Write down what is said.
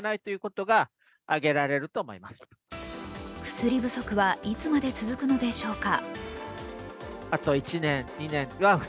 薬不足はいつまで続くのでしょうか。